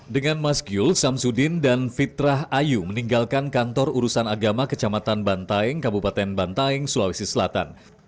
dengan mas gil samsudin dan fitrah ayu meninggalkan kantor urusan agama kecamatan bantaeng kabupaten bantaing sulawesi selatan